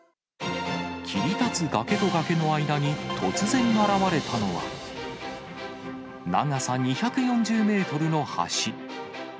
切り立つ崖と崖の間に突然現れたのは、長さ２４０メートルの橋。